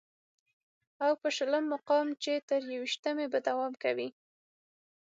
او په شلم مقام چې تر يوویشتمې به دوام کوي